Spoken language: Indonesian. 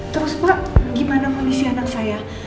terus pak gimana kondisi anak saya